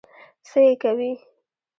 څه يې کوې؟